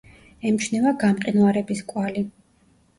ემჩნევა გამყინვარების კვალი.